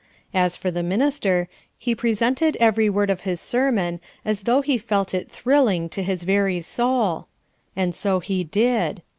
As for the minister, he presented every word of his sermon as though he felt it thrilling to his very soul. And so he did.